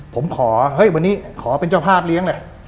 ผมขอเฮ้ยวันนี้ขอเป็นเจ้าภาพเลี้ยงแหละ